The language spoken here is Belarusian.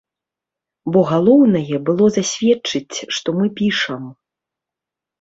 Бо галоўнае было засведчыць, што мы пішам.